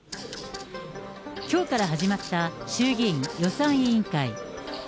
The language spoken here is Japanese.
きょうから始まった衆議院予算委員会。